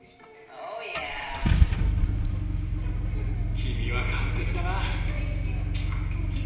君は完璧だな！